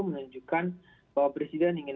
menunjukkan bahwa presiden ingin